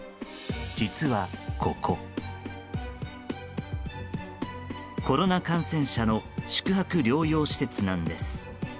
実はここ、コロナ感染者の宿泊療養施設なんです。